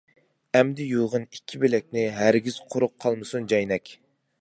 ئەمدى يۇغىن ئىككى بىلەكنى، ھەرگىز قۇرۇق قالمىسۇن جەينەك.